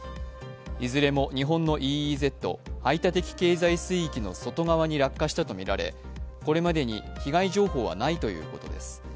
いずれも日本のＥＥＺ＝排他的経済水域の外側に落下したとみられ、これまでに被害情報はないということです。